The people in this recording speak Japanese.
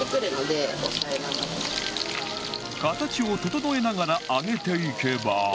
形を整えながら揚げていけば